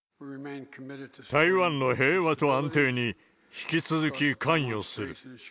台湾の平和と安定に、引き続き関与する。